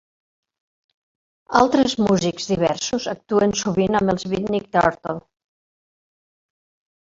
Altres músics diversos actuen sovint amb els Beatnik Turtle.